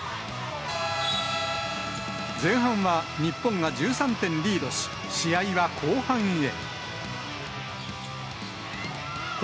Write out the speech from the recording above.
前半は日本が１３点リードし、試合は後半へ。